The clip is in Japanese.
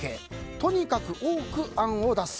とにかく多く案を出す。